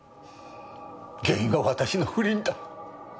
原因は私の不倫だ。